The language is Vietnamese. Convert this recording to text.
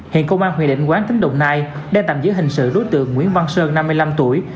hiện công an huyện định quán tính động này đang tạm giữ hình sự đối tượng nguyễn văn sơn năm mươi năm tuổi